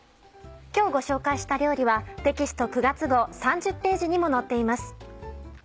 今日ご紹介した料理はテキスト９月号３０ページにも載っています。